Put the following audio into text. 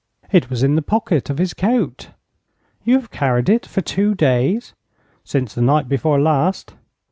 'It was in the pocket of his coat.' 'You have carried it for two days?' 'Since the night before last.'